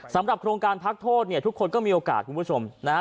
สำหรับโครงการพักโทษเนี่ยทุกคนก็มีโอกาสคุณผู้ชมนะฮะ